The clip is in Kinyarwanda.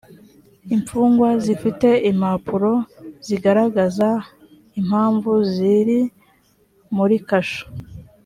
imfungwa zifite impapuro zigaragaza impamvu ziri muri kasho